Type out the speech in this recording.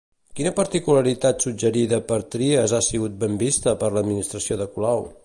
Quina particularitat suggerida per Trias ha sigut benvista per l'administració de Colau?